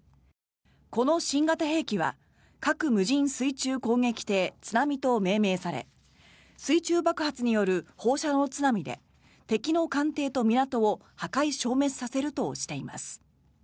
この新型兵器は核無人水中攻撃艇「津波」と命名され水中爆発による放射能津波で敵の艦艇と港を破壊消滅させるとしています。